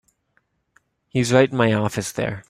He's right in my office there.